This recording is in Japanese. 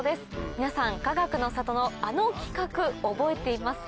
皆さんかがくの里のあの企画覚えていますか？